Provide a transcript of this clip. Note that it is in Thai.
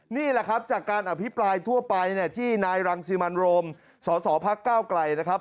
นี่แหละครับจากการอภิปรายทั่วไปเนี่ยที่นายรังสิมันโรมสสพักก้าวไกลนะครับ